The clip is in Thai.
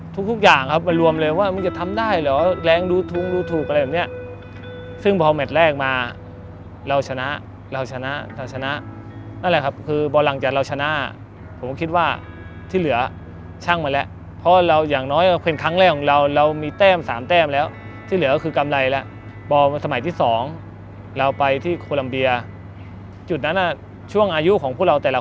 ทุกอย่างแล้วมันรวมเลยว่ามันจะทำได้หรือแรง